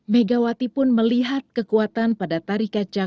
megawati pun melihat kekuatan pada tarikan kecak yang berbeda